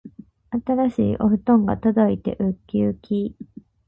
新しいお布団が届いてうっきうき